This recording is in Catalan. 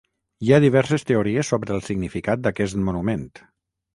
Hi ha diverses teories sobre el significat d'aquest monument.